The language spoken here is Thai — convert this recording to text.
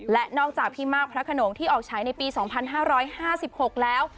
และนอกจากพี่มากพระขนงที่ออกฉายในปี๒๕๕๖แล้ว